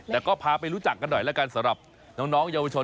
แต่ก็พาไปรู้จักกันหน่อยแล้วกันสำหรับน้องเยาวชน